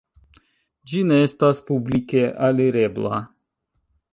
Ĝi ne estas publike alirebla.